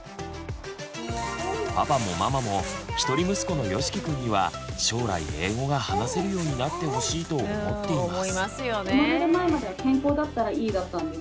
パパもママも一人息子のよしきくんには将来英語が話せるようになってほしいと思っています。